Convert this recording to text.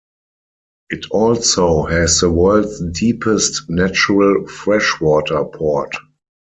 It also has the world's deepest natural freshwater port.